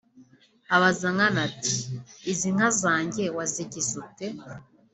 Abaza Nkana ati “Izi nka zanjye wazigize ute